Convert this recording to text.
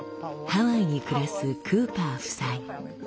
ハワイに暮らすクーパー夫妻。